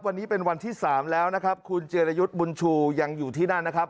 วันนี้เป็นวันที่สามแล้วนะครับคุณเจรยุทธ์บุญชูยังอยู่ที่นั่นนะครับ